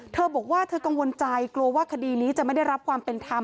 เธอบอกว่าเธอกังวลใจกลัวว่าคดีนี้จะไม่ได้รับความเป็นธรรม